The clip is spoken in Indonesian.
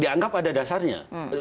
dianggap ada dasarnya